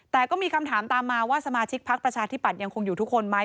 แต่ก็มีคำถามตามมาว่าสมาชิกพักประชาธิบัตย์ยังคงอยู่ทุกคนไหม